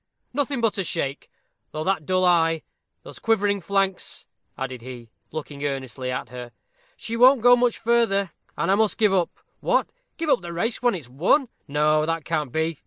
"Nothing but a shake; though that dull eye those quivering flanks " added he, looking earnestly at her. "She won't go much further, and I must give it up what! give up the race just when it's won? No, that can't be.